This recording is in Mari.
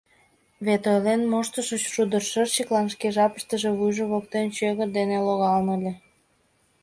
Вет Ойлен моштышо Шудышырчыклан шке жапыштыже вуйжо воктен чӧгыт дене логалын ыле.